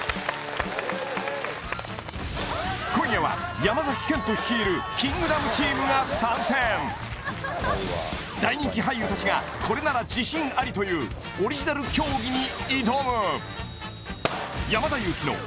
今夜は山賢人率いる「キングダム」チームが参戦大人気俳優達が「これなら自信あり！」というオリジナル競技に挑む！